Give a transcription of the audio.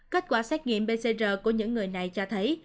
kết quả xét nghiệm pcr của những người này cho thấy